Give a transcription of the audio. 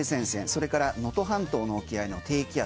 それから能登半島沖合の低気圧。